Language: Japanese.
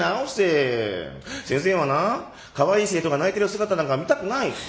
先生はなかわいい生徒が泣いてる姿なんか見たくない。